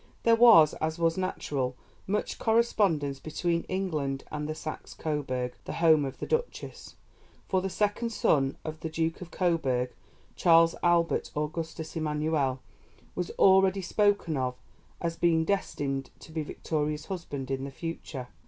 There was, as was natural, much correspondence between England and Saxe Coburg, the home of the Duchess, for the second son of the Duke of Coburg, Charles Albert Augustus Emmanuel, was already spoken of as being destined to be Victoria's husband in the future.